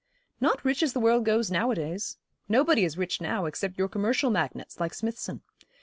'Not rich as the world goes nowadays. Nobody is rich now, except your commercial magnates, like Smithson.